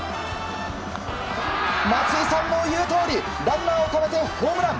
松井さんの言うとおりランナーをためてホームラン。